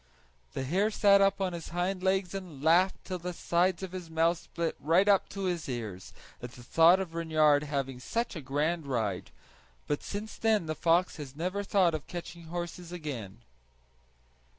The hare sat up on his hind legs and laughed till the sides of his mouth split right up to his ears, at the thought of Reynard having such a grand ride; but since then the fox has never thought of catching horses again.